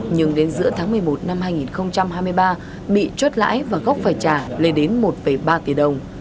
nhưng đến giữa tháng một mươi một năm hai nghìn hai mươi ba bị chốt lãi và gốc phải trả lên đến một ba tỷ đồng